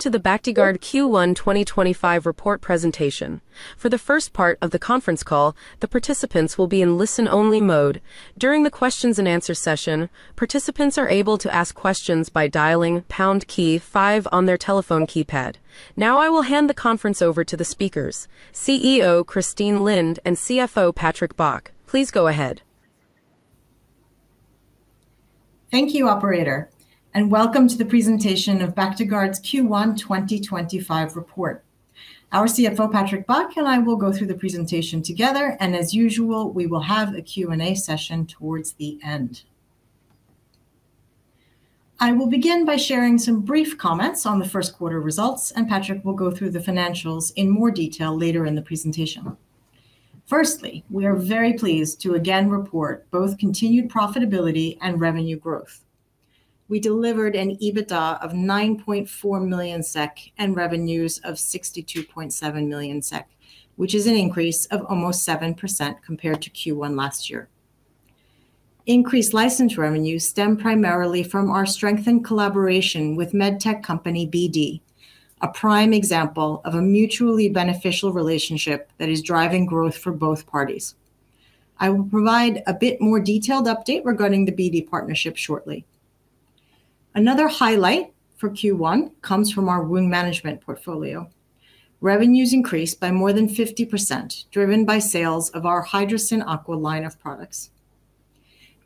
To the Bactiguard Q1 2025 Report Presentation. For the first part of the conference call, the participants will be in listen-only mode. During the Q&A session, participants are able to ask questions by dialing #5 on their telephone keypad. Now I will hand the conference over to the speakers: CEO Christine Lind and CFO Patrick Bach. Please go ahead. Thank you, Operator, and welcome to the presentation of Bactiguard's Q1 2025 report. Our CFO Patrick Bach and I will go through the presentation together, and as usual, we will have a Q&A session towards the end. I will begin by sharing some brief comments on the 1st quarter results, and Patrick will go through the financials in more detail later in the presentation. Firstly, we are very pleased to again report both continued profitability and revenue growth. We delivered an EBITDA of 9.4 million SEK and revenues of 62.7 million SEK, which is an increase of almost 7% compared to Q1 last year. Increased license revenues stem primarily from our strengthened collaboration with medtech company BD, a prime example of a mutually beneficial relationship that is driving growth for both parties. I will provide a bit more detailed update regarding the BD partnership shortly. Another highlight for Q1 comes from our wound management portfolio. Revenues increased by more than 50%, driven by sales of our Hydrocyn Aqua line of products.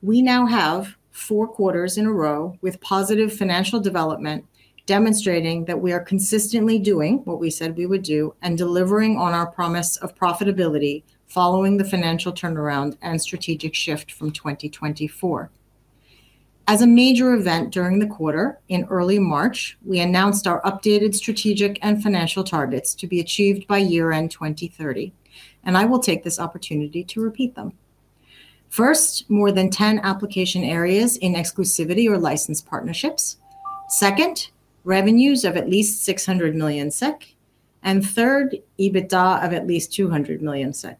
We now have four quarters in a row with positive financial development, demonstrating that we are consistently doing what we said we would do and delivering on our promise of profitability following the financial turnaround and strategic shift from 2024. As a major event during the quarter, in early March, we announced our updated strategic and financial targets to be achieved by year-end 2030, and I will take this opportunity to repeat them. First, more than 10 application areas in exclusivity or licensed partnerships. Second, revenues of at least 600 million SEK, and third, EBITDA of at least 200 million SEK.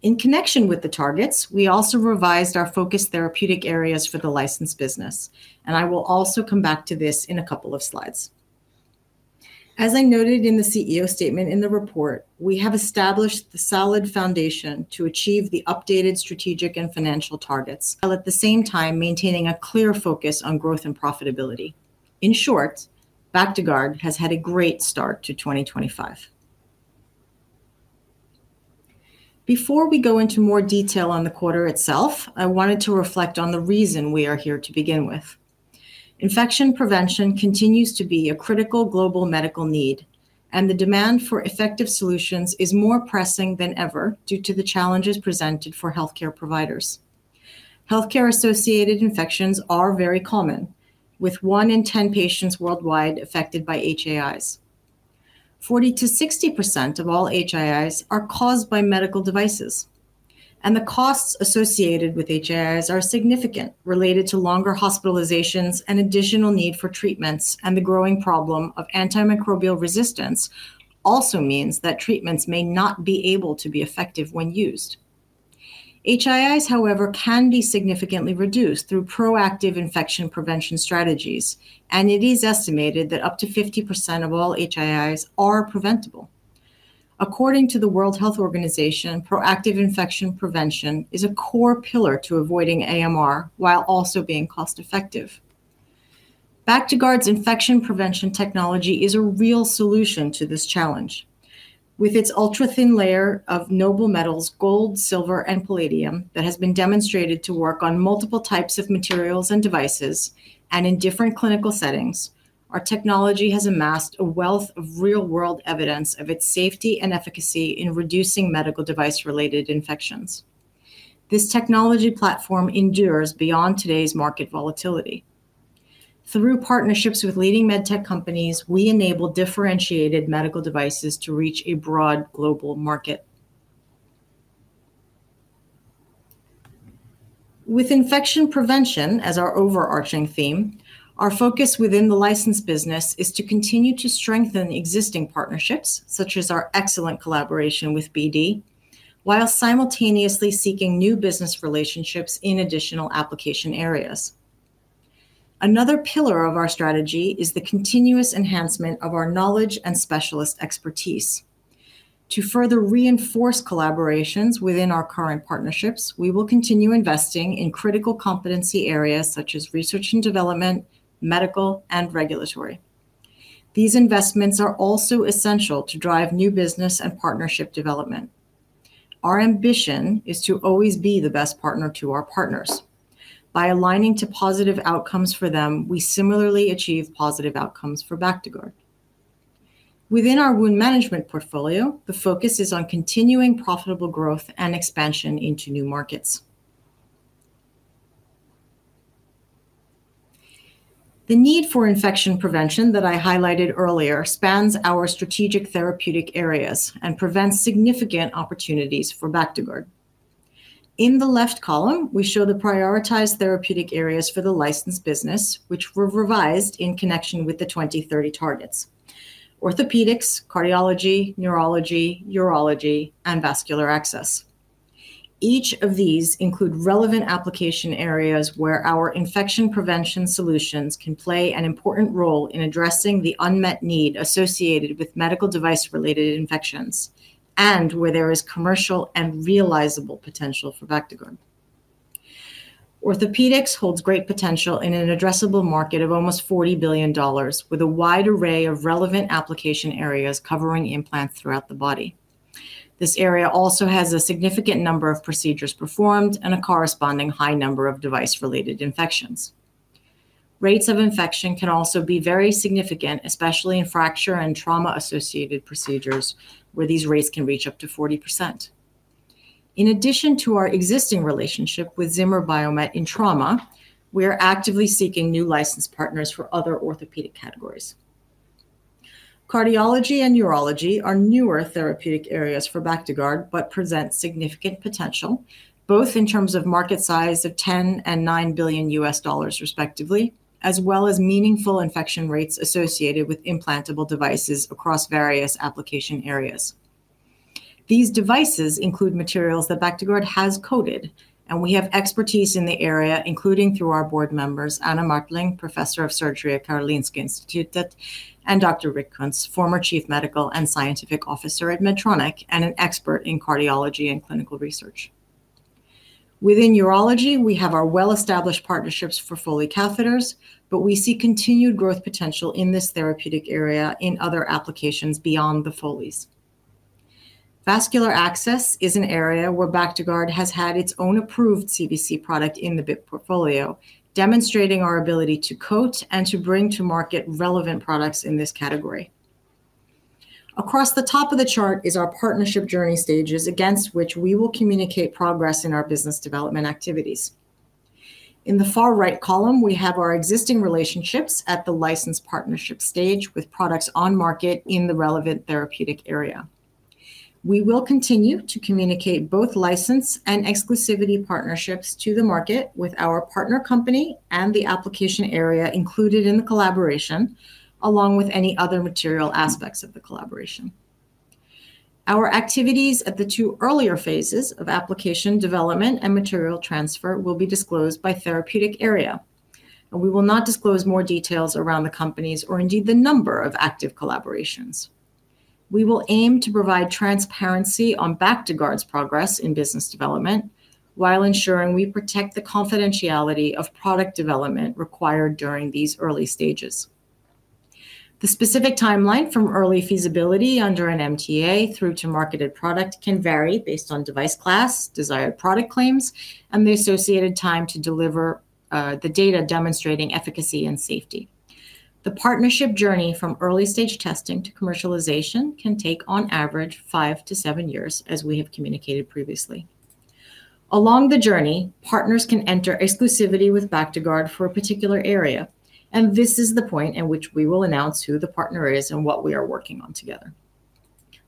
In connection with the targets, we also revised our focus therapeutic areas for the licensed business, and I will also come back to this in a couple of slides. As I noted in the CEO statement in the report, we have established the solid foundation to achieve the updated strategic and financial targets, while at the same time maintaining a clear focus on growth and profitability. In short, Bactiguard has had a great start to 2025. Before we go into more detail on the quarter itself, I wanted to reflect on the reason we are here to begin with. Infection prevention continues to be a critical global medical need, and the demand for effective solutions is more pressing than ever due to the challenges presented for healthcare providers. Healthcare-associated infections are very common, with one in 10 patients worldwide affected by HAIs. 40%-60% of all HAIs are caused by medical devices, and the costs associated with HAIs are significant, related to longer hospitalizations and additional need for treatments, and the growing problem of antimicrobial resistance also means that treatments may not be able to be effective when used. HAIs, however, can be significantly reduced through proactive infection prevention strategies, and it is estimated that up to 50% of all HAIs are preventable. According to the World Health Organization, proactive infection prevention is a core pillar to avoiding AMR while also being cost-effective. Bactiguard's infection prevention technology is a real solution to this challenge. With its ultra-thin layer of noble metals—gold, silver, and palladium—that has been demonstrated to work on multiple types of materials and devices and in different clinical settings, our technology has amassed a wealth of real-world evidence of its safety and efficacy in reducing medical device-related infections. This technology platform endures beyond today's market volatility. Through partnerships with leading medtech companies, we enable differentiated medical devices to reach a broad global market. With infection prevention as our overarching theme, our focus within the licensed business is to continue to strengthen existing partnerships, such as our excellent collaboration with BD, while simultaneously seeking new business relationships in additional application areas. Another pillar of our strategy is the continuous enhancement of our knowledge and specialist expertise. To further reinforce collaborations within our current partnerships, we will continue investing in critical competency areas such as research and development, medical, and regulatory. These investments are also essential to drive new business and partnership development. Our ambition is to always be the best partner to our partners. By aligning to positive outcomes for them, we similarly achieve positive outcomes for Bactiguard. Within our wound management portfolio, the focus is on continuing profitable growth and expansion into new markets. The need for infection prevention that I highlighted earlier spans our strategic therapeutic areas and presents significant opportunities for Bactiguard. In the left column, we show the prioritized therapeutic areas for the licensed business, which were revised in connection with the 2030 targets: orthopedics, cardiology, neurology, urology, and vascular access. Each of these includes relevant application areas where our infection prevention solutions can play an important role in addressing the unmet need associated with medical device-related infections and where there is commercial and realizable potential for Bactiguard. Orthopedics holds great potential in an addressable market of almost $40 billion, with a wide array of relevant application areas covering implants throughout the body. This area also has a significant number of procedures performed and a corresponding high number of device-related infections. Rates of infection can also be very significant, especially in fracture and trauma-associated procedures, where these rates can reach up to 40%. In addition to our existing relationship with Zimmer Biomet in trauma, we are actively seeking new licensed partners for other orthopedic categories. Cardiology and urology are newer therapeutic areas for Bactiguard but present significant potential, both in terms of market size of $10 billion and $9 billion USD, respectively, as well as meaningful infection rates associated with implantable devices across various application areas. These devices include materials that Bactiguard has coated, and we have expertise in the area, including through our board members, Anna Martling, Professor of Surgery at Karolinska Institutet, and Dr. Rick Kunz, former Chief Medical and Scientific Officer at Medtronic and an expert in cardiology and clinical research. Within urology, we have our well-established partnerships for Foley catheters, but we see continued growth potential in this therapeutic area in other applications beyond the Foleys. Vascular access is an area where Bactiguard has had its own approved CBC product in the BIP portfolio, demonstrating our ability to coat and to bring to market relevant products in this category. Across the top of the chart is our partnership journey stages, against which we will communicate progress in our business development activities. In the far right column, we have our existing relationships at the licensed partnership stage with products on market in the relevant therapeutic area. We will continue to communicate both licensed and exclusivity partnerships to the market with our partner company and the application area included in the collaboration, along with any other material aspects of the collaboration. Our activities at the two earlier phases of application development and material transfer will be disclosed by therapeutic area, and we will not disclose more details around the companies or indeed the number of active collaborations. We will aim to provide transparency on Bactiguard's progress in business development while ensuring we protect the confidentiality of product development required during these early stages. The specific timeline from early feasibility under an MTA through to marketed product can vary based on device class, desired product claims, and the associated time to deliver the data demonstrating efficacy and safety. The partnership journey from early-stage testing to commercialization can take, on average, five to seven years, as we have communicated previously. Along the journey, partners can enter exclusivity with Bactiguard for a particular area, and this is the point at which we will announce who the partner is and what we are working on together.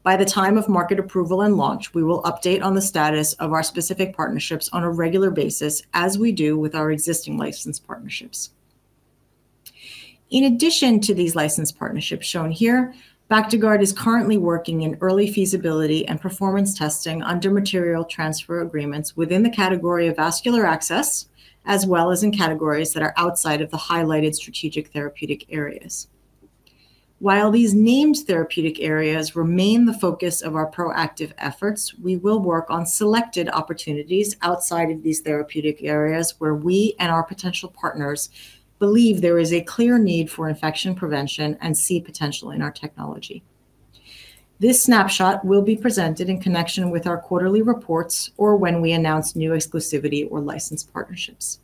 By the time of market approval and launch, we will update on the status of our specific partnerships on a regular basis, as we do with our existing licensed partnerships. In addition to these licensed partnerships shown here, Bactiguard is currently working in early feasibility and performance testing under material transfer agreements within the category of vascular access, as well as in categories that are outside of the highlighted strategic therapeutic areas. While these named therapeutic areas remain the focus of our proactive efforts, we will work on selected opportunities outside of these therapeutic areas where we and our potential partners believe there is a clear need for infection prevention and see potential in our technology. This snapshot will be presented in connection with our quarterly reports or when we announce new exclusivity or licensed partnerships.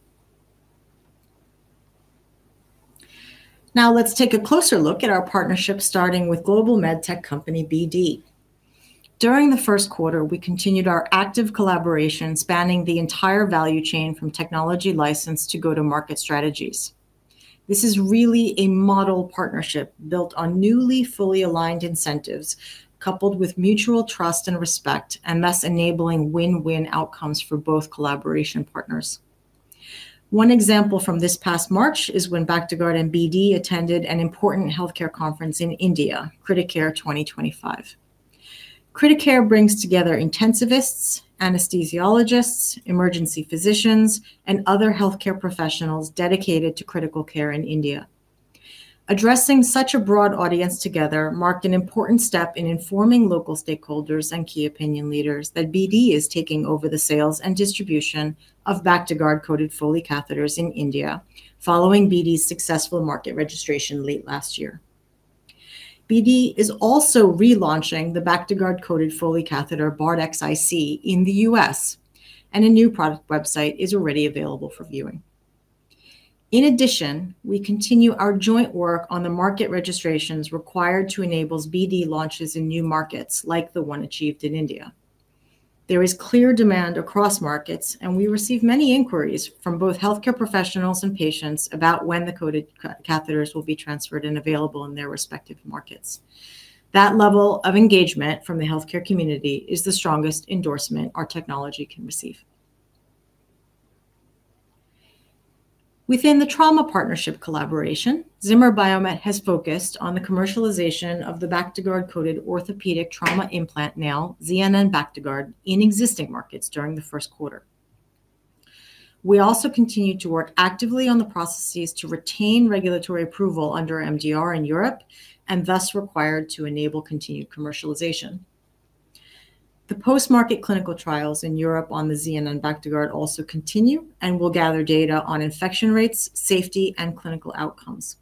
Now let's take a closer look at our partnership, starting with global medtech company BD. During the 1st quarter, we continued our active collaboration spanning the entire value chain from technology license to go-to-market strategies. This is really a model partnership built on newly fully aligned incentives, coupled with mutual trust and respect, and thus enabling win-win outcomes for both collaboration partners. One example from this past March is when Bactiguard and BD attended an important healthcare conference in India, CritiCare 2025. CritiCare brings together intensivists, anesthesiologists, emergency physicians, and other healthcare professionals dedicated to critical care in India. Addressing such a broad audience together marked an important step in informing local stakeholders and key opinion leaders that BD is taking over the sales and distribution of Bactiguard-coated Foley catheters in India, following BD's successful market registration late last year. BD is also relaunching the Bactiguard-coated Foley catheter BARD-XIC in the U.S., and a new product website is already available for viewing. In addition, we continue our joint work on the market registrations required to enable BD launches in new markets, like the one achieved in India. There is clear demand across markets, and we receive many inquiries from both healthcare professionals and patients about when the coated catheters will be transferred and available in their respective markets. That level of engagement from the healthcare community is the strongest endorsement our technology can receive. Within the trauma partnership collaboration, Zimmer Biomet has focused on the commercialization of the Bactiguard-coated orthopedic trauma implant nail, ZNN Bactiguard, in existing markets during the 1st quarter. We also continue to work actively on the processes to retain regulatory approval under MDR in Europe and thus required to enable continued commercialization. The post-market clinical trials in Europe on the ZNN Bactiguard also continue and will gather data on infection rates, safety, and clinical outcomes.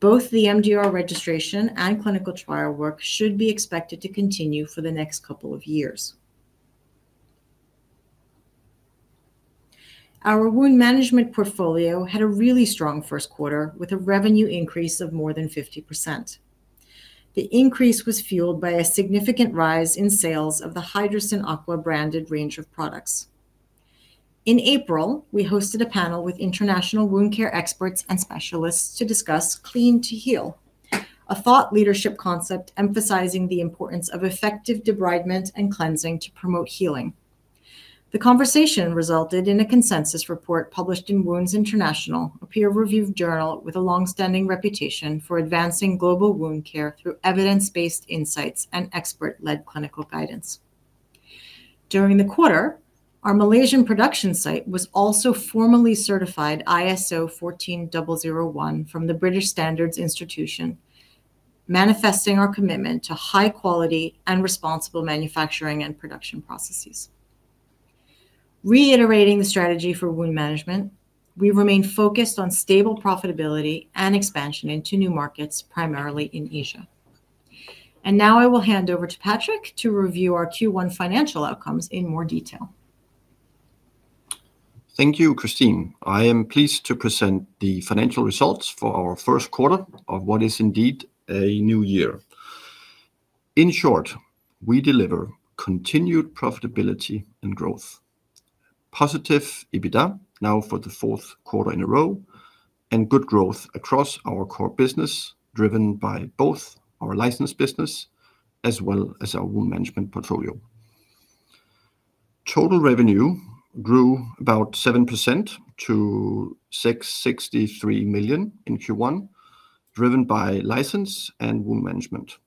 Both the MDR registration and clinical trial work should be expected to continue for the next couple of years. Our wound management portfolio had a really strong 1st quarter with a revenue increase of more than 50%. The increase was fueled by a significant rise in sales of the Hydrocyn Aqua branded range of products. In April, we hosted a panel with international wound care experts and specialists to discuss Clean to Heal, a thought leadership concept emphasizing the importance of effective debridement and cleansing to promote healing. The conversation resulted in a consensus report published in Wounds International, a peer-reviewed journal with a long-standing reputation for advancing global wound care through evidence-based insights and expert-led clinical guidance. During the quarter, our Malaysian production site was also formally certified ISO 14001 from the British Standards Institution, manifesting our commitment to high-quality and responsible manufacturing and production processes. Reiterating the strategy for wound management, we remain focused on stable profitability and expansion into new markets, primarily in Asia. I will hand over to Patrick to review our Q1 financial outcomes in more detail. Thank you, Christine. I am pleased to present the financial results for our 1st quarter of what is indeed a new year. In short, we deliver continued profitability and growth, positive EBITDA now for the 4th quarter in a row, and good growth across our core business, driven by both our licensed business as well as our wound management portfolio. Total revenue grew about 7% to 663 million in Q1, driven by license and wound management.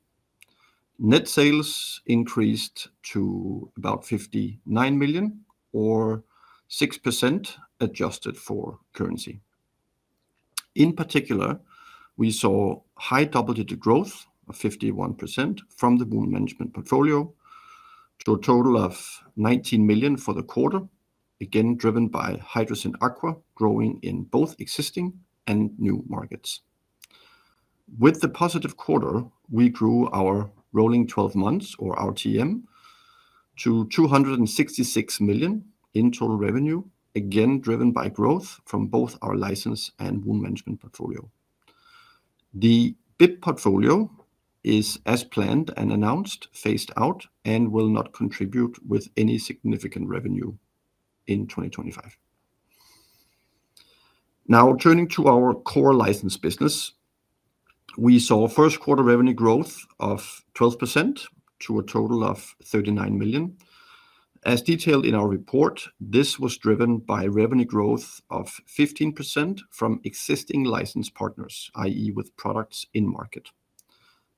Net sales increased to about 59 million, or 6% adjusted for currency. In particular, we saw high double-digit growth of 51% from the wound management portfolio to a total of 19 million for the quarter, again driven by Hydrocyn Aqua growing in both existing and new markets. With the positive quarter, we grew our rolling 12 months, or RTM, to 266 million in total revenue, again driven by growth from both our license and wound management portfolio. The BIP portfolio is, as planned and announced, phased out and will not contribute with any significant revenue in 2025. Now turning to our core licensed business, we saw 1st quarter revenue growth of 12% to a total of 39 million. As detailed in our report, this was driven by revenue growth of 15% from existing licensed partners, i.e., with products in market.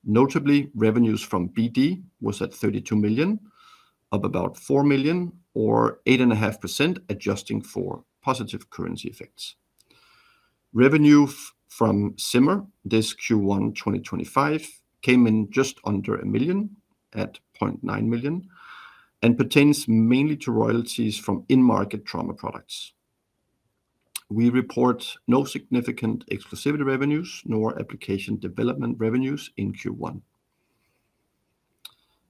Notably, revenues from BD were at 32 million, up about 4 million, or 8.5%, adjusting for positive currency effects. Revenue from Zimmer, this Q1 2025, came in just under a million at 0.9 million and pertains mainly to royalties from in-market trauma products. We report no significant exclusivity revenues nor application development revenues in Q1.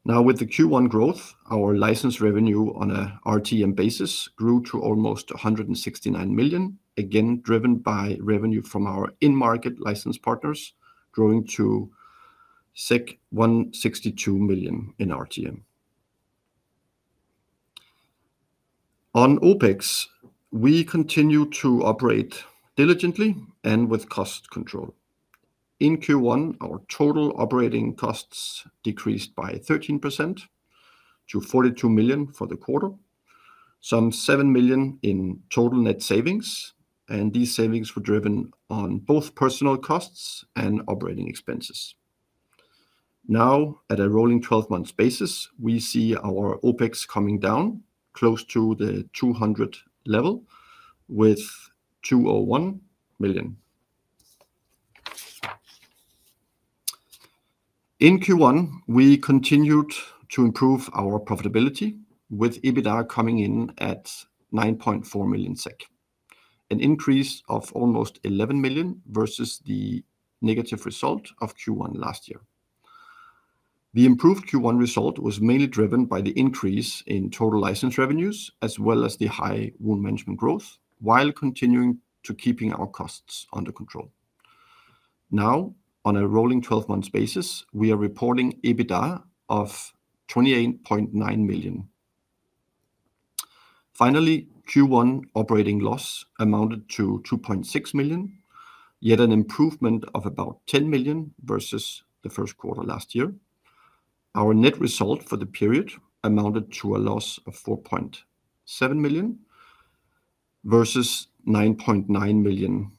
Now, with the Q1 growth, our licensed revenue on an RTM basis grew to almost 169 million, again driven by revenue from our in-market licensed partners, growing to 162 million in RTM. On OPEX, we continue to operate diligently and with cost control. In Q1, our total operating costs decreased by 13% to 42 million for the quarter, some 7 million in total net savings, and these savings were driven on both personnel costs and operating expenses. Now, at a rolling 12-month basis, we see our OPEX coming down close to the 200 million level with 201 million. In Q1, we continued to improve our profitability with EBITDA coming in at 9.4 million SEK, an increase of almost 11 million versus the negative result of Q1 last year. The improved Q1 result was mainly driven by the increase in total license revenues as well as the high wound management growth, while continuing to keep our costs under control. Now, on a rolling 12-month basis, we are reporting EBITDA of 28.9 million. Finally, Q1 operating loss amounted to 2.6 million, yet an improvement of about 10 million versus the 1st quarter last year. Our net result for the period amounted to a loss of 4.7 million versus 9.9 million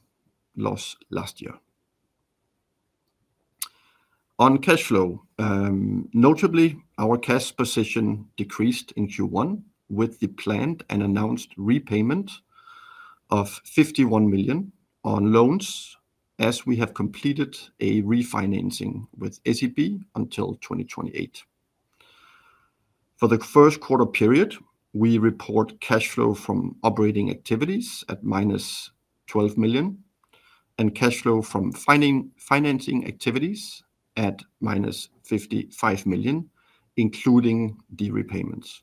loss last year. On cash flow, notably, our cash position decreased in Q1 with the planned and announced repayment of 51 million on loans as we have completed a refinancing with SEB until 2028. For the 1st quarter period, we report cash flow from operating activities at minus 12 million and cash flow from financing activities at minus 55 million, including the repayments.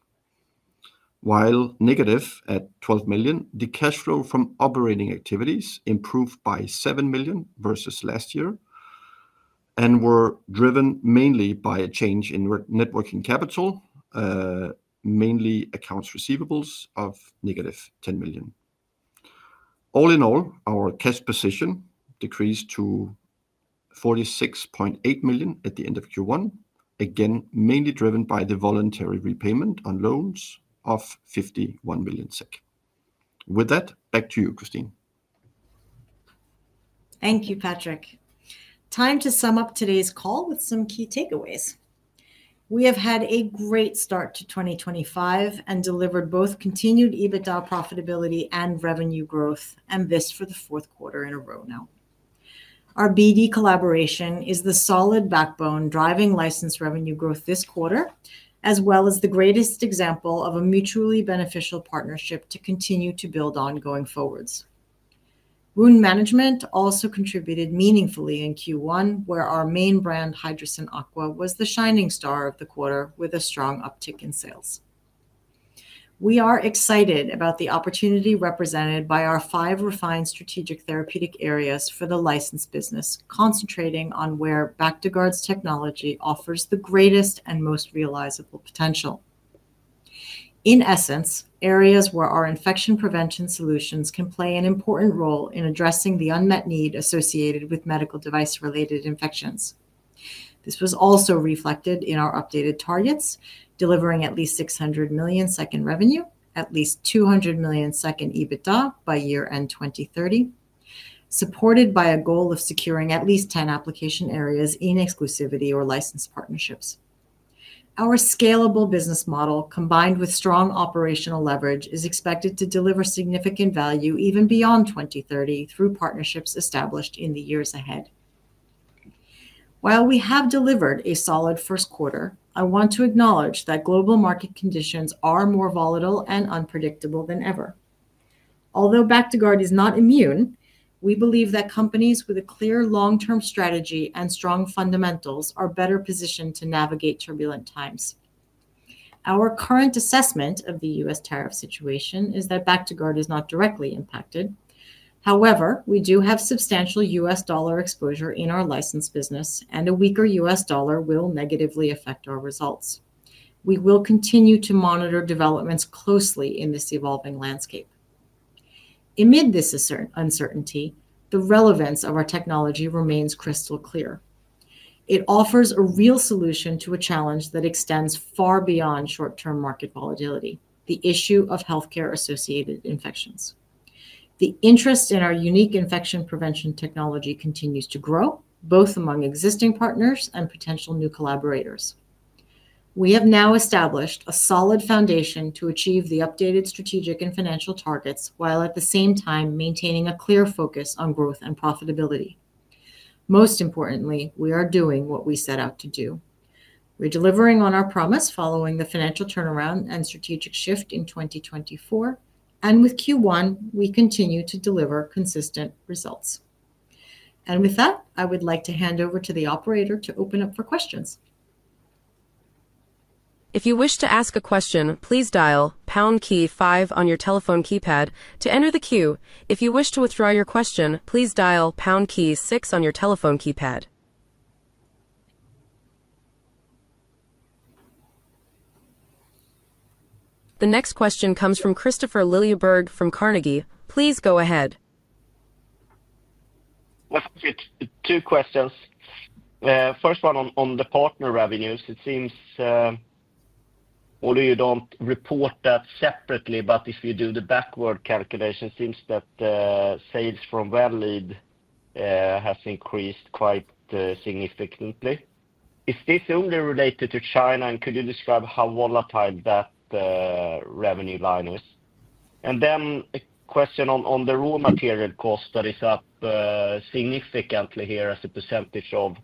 While negative at 12 million, the cash flow from operating activities improved by 7 million versus last year and were driven mainly by a change in net working capital, mainly accounts receivables of negative 10 million. All in all, our cash position decreased to 46.8 million at the end of Q1, again mainly driven by the voluntary repayment on loans of 51 million SEK. With that, back to you, Christine. Thank you, Patrick. Time to sum up today's call with some key takeaways. We have had a great start to 2025 and delivered both continued EBITDA profitability and revenue growth, and this for the fourth quarter in a row now. Our BD collaboration is the solid backbone driving license revenue growth this quarter, as well as the greatest example of a mutually beneficial partnership to continue to build on going forwards. Wound management also contributed meaningfully in Q1, where our main brand, Hydrocyn Aqua, was the shining star of the quarter with a strong uptick in sales. We are excited about the opportunity represented by our five refined strategic therapeutic areas for the licensed business, concentrating on where Bactiguard's technology offers the greatest and most realizable potential. In essence, areas where our infection prevention solutions can play an important role in addressing the unmet need associated with medical device-related infections. This was also reflected in our updated targets, delivering at least 600 million revenue, at least 200 million EBITDA by year-end 2030, supported by a goal of securing at least 10 application areas in exclusivity or licensed partnerships. Our scalable business model, combined with strong operational leverage, is expected to deliver significant value even beyond 2030 through partnerships established in the years ahead. While we have delivered a solid first quarter, I want to acknowledge that global market conditions are more volatile and unpredictable than ever. Although Bactiguard is not immune, we believe that companies with a clear long-term strategy and strong fundamentals are better positioned to navigate turbulent times. Our current assessment of the U.S. tariff situation is that Bactiguard is not directly impacted. However, we do have substantial U.S. dollar exposure in our licensed business, and a weaker U.S. dollar will negatively affect our results. We will continue to monitor developments closely in this evolving landscape. Amid this uncertainty, the relevance of our technology remains crystal clear. It offers a real solution to a challenge that extends far beyond short-term market volatility: the issue of healthcare-associated infections. The interest in our unique infection prevention technology continues to grow, both among existing partners and potential new collaborators. We have now established a solid foundation to achieve the updated strategic and financial targets, while at the same time maintaining a clear focus on growth and profitability. Most importantly, we are doing what we set out to do. We're delivering on our promise following the financial turnaround and strategic shift in 2024, and with Q1, we continue to deliver consistent results. With that, I would like to hand over to the operator to open up for questions. If you wish to ask a question, please dial #5 on your telephone keypad to enter the queue. If you wish to withdraw your question, please dial #6 on your telephone keypad. The next question comes from Kristopher Liljeberg from Carnegie. Please go ahead. Two questions. First one on the partner revenues. It seems you don't report that separately, but if you do the backward calculation, it seems that sales from Well Lead have increased quite significantly. Is this only related to China, and could you describe how volatile that revenue line is? A question on the raw material cost that is up significantly here as a percentage of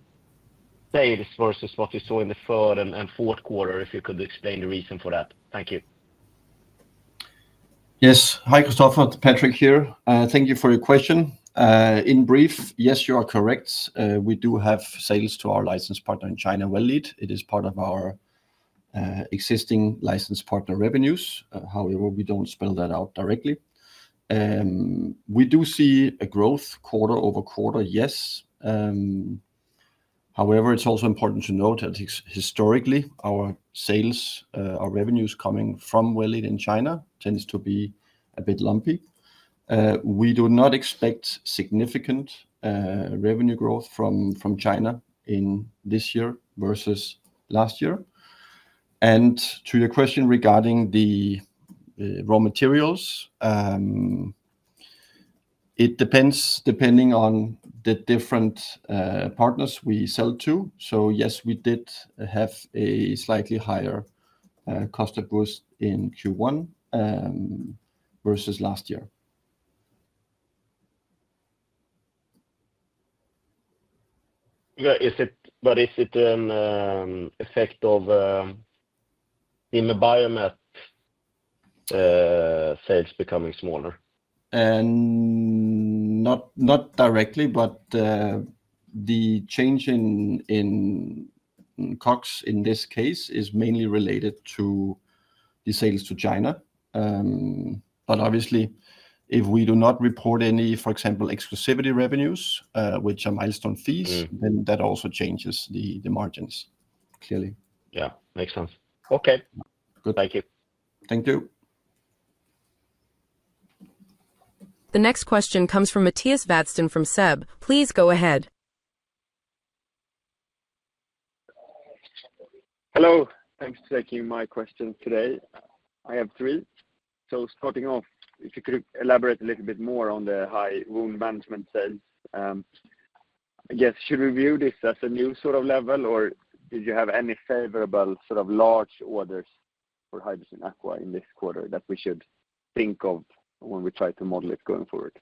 sales versus what you saw in the 3rd and 4th quarter, if you could explain the reason for that. Thank you. Yes. Hi, Christopher. Patrick here. Thank you for your question. In brief, yes, you are correct. We do have sales to our licensed partner in China, Well Lead. It is part of our existing licensed partner revenues. However, we do not spell that out directly. We do see a growth quarter over quarter, yes. However, it is also important to note that historically, our sales, our revenues coming from Well Lead in China tend to be a bit lumpy. We do not expect significant revenue growth from China in this year versus last year. To your question regarding the raw materials, it depends depending on the different partners we sell to. Yes, we did have a slightly higher cost of goods in Q1 versus last year. Is it an effect of the BIP portfolio sales becoming smaller? Not directly, but the change in COGS in this case is mainly related to the sales to China. Obviously, if we do not report any, for example, exclusivity revenues, which are milestone fees, then that also changes the margins, clearly. Yeah. Makes sense. Okay. Thank you. Thank you. The next question comes from Mattias Vadsten from SEB. Please go ahead. Hello. Thanks for taking my question today. I have three. Starting off, if you could elaborate a little bit more on the high wound management sales. I guess, should we view this as a new sort of level, or did you have any favorable sort of large orders for Hydrocyn Aqua in this quarter that we should think of when we try to model it going forward?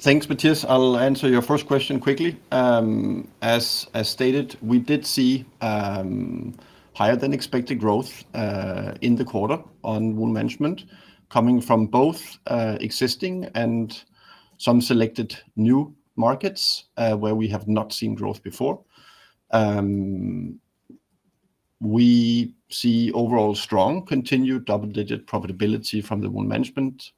Thanks, Mattias. I'll answer your first question quickly. As stated, we did see higher than expected growth in the quarter on wound management coming from both existing and some selected new markets where we have not seen growth before. We see overall strong continued double-digit profitability from the wound management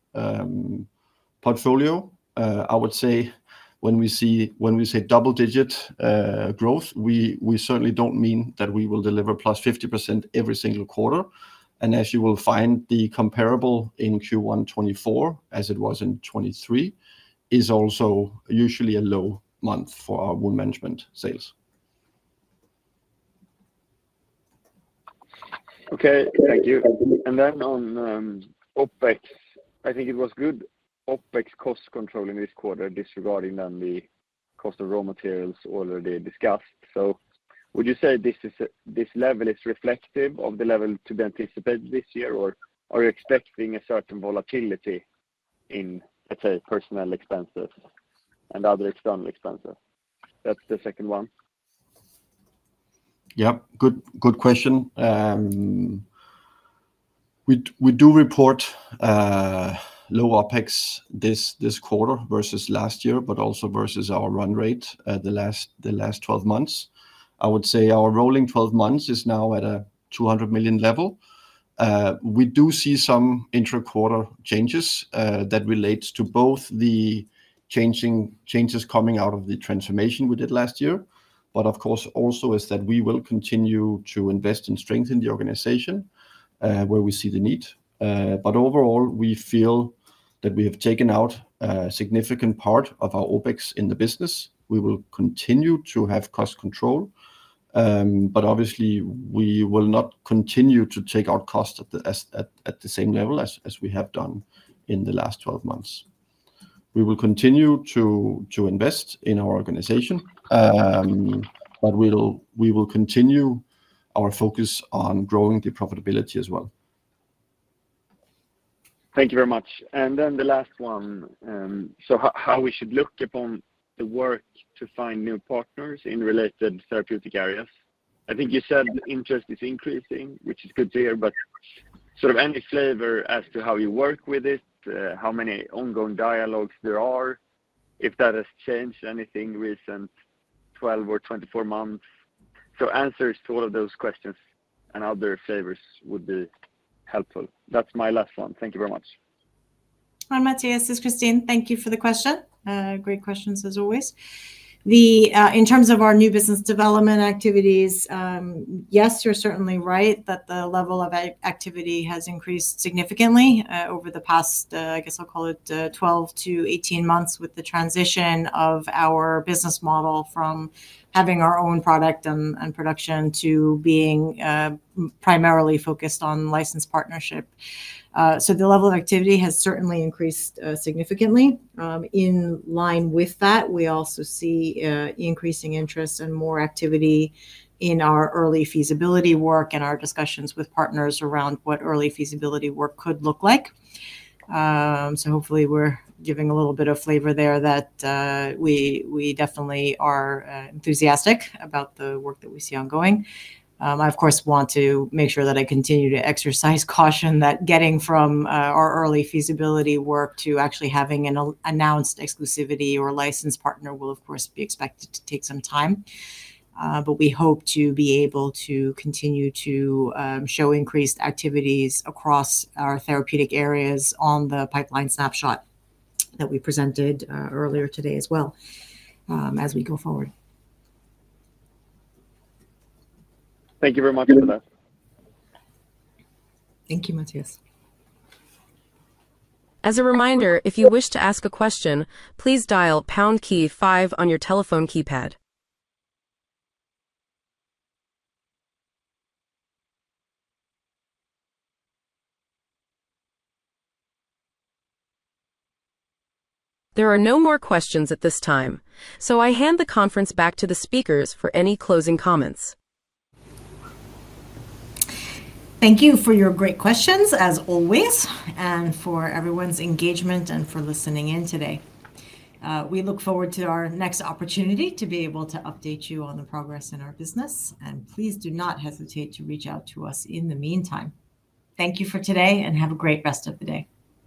portfolio. I would say when we say double-digit growth, we certainly don't mean that we will deliver plus 50% every single quarter. As you will find, the comparable in Q1 2024, as it was in 2023, is also usually a low month for our wound management sales. Okay. Thank you. On OPEX, I think it was good OPEX cost control in this quarter, disregarding the cost of raw materials already discussed. Would you say this level is reflective of the level to be anticipated this year, or are you expecting a certain volatility in, let's say, personnel expenses and other external expenses? That is the second one. Good question. We do report low OPEX this quarter versus last year, but also versus our run rate the last 12 months. I would say our rolling 12 months is now at a 200 million level. We do see some intra-quarter changes that relate to both the changes coming out of the transformation we did last year, but of course, also that we will continue to invest and strengthen the organization where we see the need. Overall, we feel that we have taken out a significant part of our OPEX in the business. We will continue to have cost control, but obviously, we will not continue to take out costs at the same level as we have done in the last 12 months. We will continue to invest in our organization, but we will continue our focus on growing the profitability as well. Thank you very much. The last one, how we should look upon the work to find new partners in related therapeutic areas. I think you said interest is increasing, which is good to hear, but sort of any flavor as to how you work with it, how many ongoing dialogues there are, if that has changed anything in recent 12 or 24 months. Answers to all of those questions and other flavors would be helpful. That's my last one. Thank you very much. Hi, Mattias. This is Christine. Thank you for the question. Great questions, as always. In terms of our new business development activities, yes, you're certainly right that the level of activity has increased significantly over the past, I guess I'll call it 12-18 months with the transition of our business model from having our own product and production to being primarily focused on licensed partnership. The level of activity has certainly increased significantly. In line with that, we also see increasing interest and more activity in our early feasibility work and our discussions with partners around what early feasibility work could look like. Hopefully, we're giving a little bit of flavor there that we definitely are enthusiastic about the work that we see ongoing. I, of course, want to make sure that I continue to exercise caution that getting from our early feasibility work to actually having an announced exclusivity or licensed partner will, of course, be expected to take some time. We hope to be able to continue to show increased activities across our therapeutic areas on the pipeline snapshot that we presented earlier today as well as we go forward. Thank you very much for that. Thank you, Mattias. As a reminder, if you wish to ask a question, please dial #5 on your telephone keypad. There are no more questions at this time, so I hand the conference back to the speakers for any closing comments. Thank you for your great questions, as always, and for everyone's engagement and for listening in today. We look forward to our next opportunity to be able to update you on the progress in our business. Please do not hesitate to reach out to us in the meantime. Thank you for today, and have a great rest of the day.